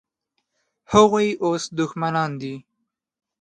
هغوی اوس دښمنان دي.